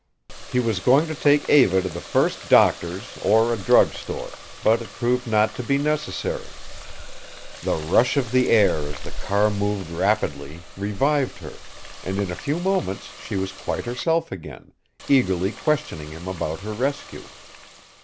He was going to take Eva to the first doctor's or a drug store, but it proved not to be necessary. The rush of the air as the car moved rapidly revived her, and in a few moments she was quite herself again, eagerly questioning him about her rescue.